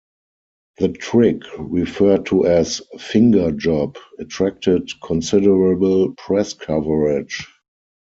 The trick, referred to as "finger job," attracted considerable press coverage.